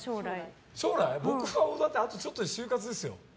僕はあとちょっとで終活ですよ。